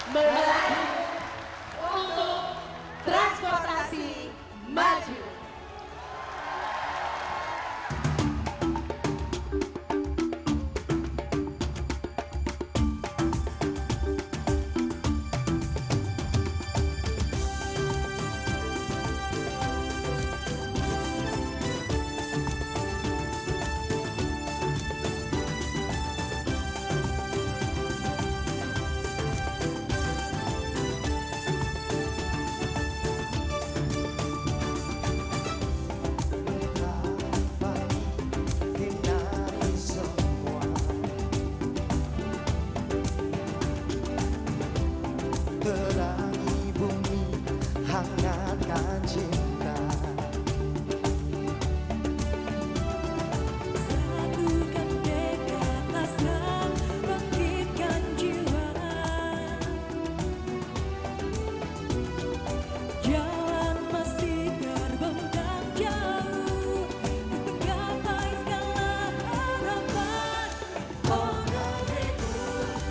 melayu untuk transportasi maju